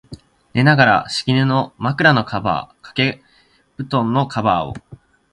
寝ながら、敷布、枕のカバー、掛け蒲団のカバーを、